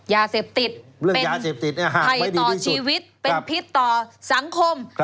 ยาเสพติดภัยต่อชีวิตเป็นพิษต่อสังคม